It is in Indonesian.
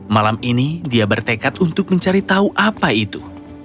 malam ini dia bertekad untuk mencari tahu apa itu